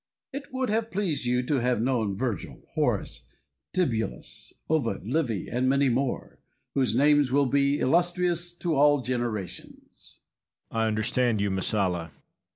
It would have pleased you to have known Virgil, Horace, Tibullus, Ovid, Livy, and many more, whose names will be illustrious to all generations. Cato. I understand you, Messalla.